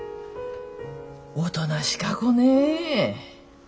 おとなしか子ね。